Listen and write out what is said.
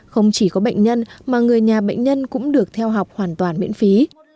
không chỉ có bệnh nhân mà người nhà bệnh nhân cũng được theo học hoàn toàn miễn phí